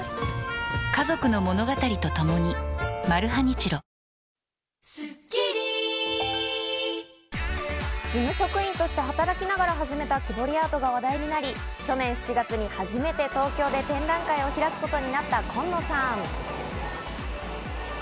ＧｉｆｔｆｒｏｍｔｈｅＥａｒｔｈ事務職員として働きながら始めた木彫りアートが話題になり、去年７月に初めて東京で展覧会を開くことになったコンノさん。